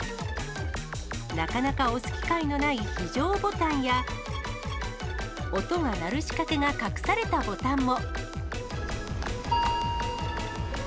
なかなか押す機会のない非常ボタンや、音が鳴る仕掛けが隠されたボタンも。